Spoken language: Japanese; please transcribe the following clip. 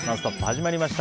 始まりました。